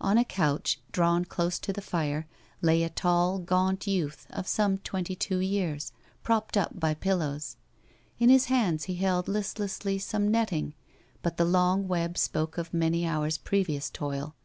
On a couch drawn close to the fire lay a tall, gaunt youth of some twenty two years, propped up by pillows. In his hands he held listlessly some netting, but the long web spoke of many hours previous toil.